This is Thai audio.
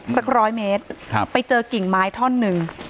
สักร้อยเมตรไปเจอกิ่งไม้ท่อนหนึ่ง